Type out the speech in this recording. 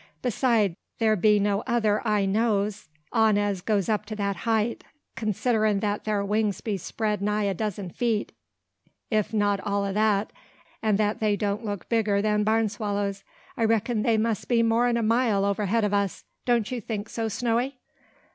Beside, there be no other I knows on as goes up to that height. Considerin' that thar wings be spread nigh a dozen feet, if not all o' that, and that they don't look bigger than barn swallows, I reckon they must be mor'n a mile overhead o' us. Don't you think so, Snowy?"